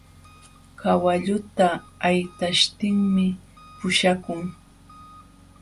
Kawalluta haytaśhtinmi puśhakun.